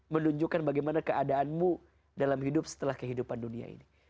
menunjukkan bagaimana keadaanmu dalam hidup setelah kehidupan dunia ini